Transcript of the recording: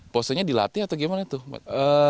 posnya dilatih atau gimana tuh mat